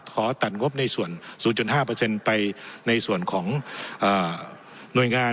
ขอตัดงบในส่วน๐๕ไปในส่วนของหน่วยงาน